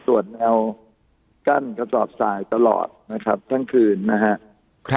ส่วนแนวกั้นกระสอบสายตลอดนะครับทั้งคืนนะครับ